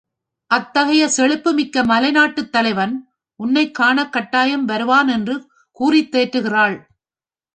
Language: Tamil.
அத்தகைய செழிப்புமிக்க மலைநாட்டுத் தலைவன் உன்னைக் காணக் கட்டாயம் வருவான் என்று கூறித்தேற்றுகிறாள்.